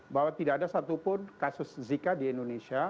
bahwa tidak ada satupun kasus zika di indonesia